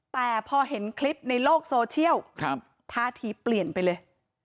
แต่พอเห็นคลิปในโลกโซเชียลท่าทีเปลี่ยนไปเลย